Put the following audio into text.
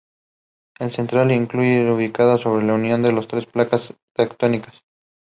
It is the located in Bhattiprolu mandal of Tenali revenue division.